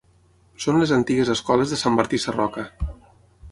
Són les antigues escoles de Sant Martí Sarroca.